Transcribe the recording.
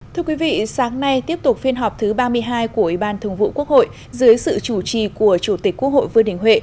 thưa quý vị sáng nay tiếp tục phiên họp thứ ba mươi hai của ủy ban thường vụ quốc hội dưới sự chủ trì của chủ tịch quốc hội vương đình huệ